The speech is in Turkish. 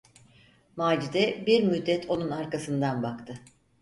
Macide bir müddet onun arkasından baktı.